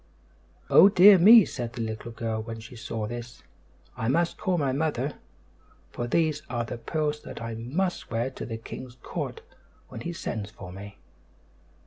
"Oh, dear me," said the little girl when she saw this, "I must call my mother; for these are the pearls that I must wear to the king's court when he sends for me."